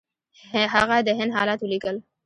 هغه د هند حالات ولیکل.